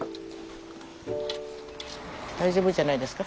大丈夫じゃないですか？